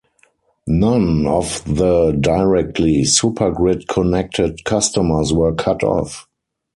None of the directly supergrid-connected customers were cut off.